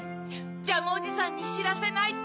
ジャムおじさんにしらせないと。